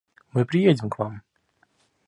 Мы приедем к вам.